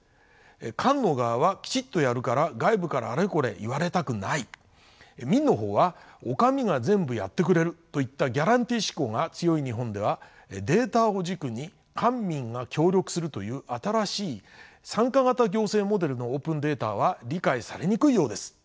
官の側はきちっとやるから外部からあれこれ言われたくない民の方はお上が全部やってくれるといったギャランティー指向が強い日本ではデータを軸に官民が協力するという新しい参加型行政モデルのオープンデータは理解されにくいようです。